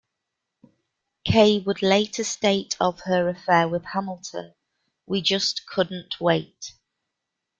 Kaye would later state of her affair with Hamilton: We just couldn't wait.